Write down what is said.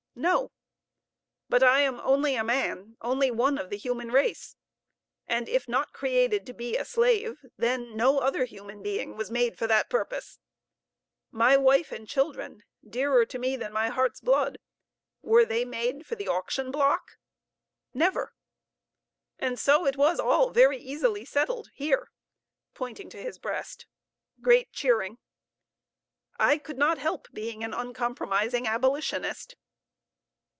No. But I am only a man, only one of the human race; and if not created to be a slave, then no other human being was made for that purpose. My wife and children, dearer to me than my heart's blood, were they made for the auction block? Never! And so it was all very easily settled here (pointing to his breast). (Great cheering.) I could not help being an uncompromising abolitionist.